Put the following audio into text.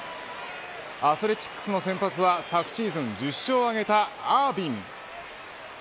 アスレチックスの先発は昨シーズン１０勝を挙げたアーヴィン。